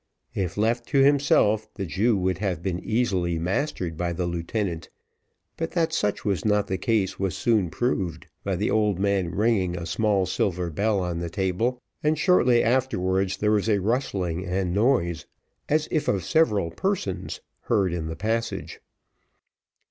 If left to himself, the Jew would have been easily mastered by the lieutenant, but that such was not the case, was soon proved, by the old man ringing a small silver bell on the table, and shortly afterwards there was a rustling and noise, as if of several persons, heard in the passage.